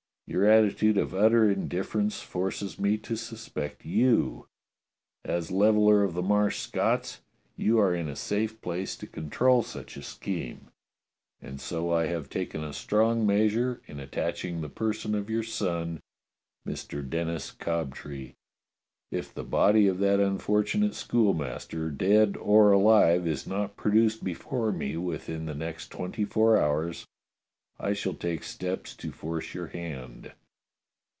Your attitude of utter indifference forces me to suspect you. As Leveller of the Marsh Scotts you are in a safe place to control such a scheme, and so I have taken a strong measure in attaching the person of your son. Mister Denis Cobtree. If the body of that unfortunate schoolmaster, dead or alive, is not produced before me within the next twenty four hours, I shall take steps to force your hand.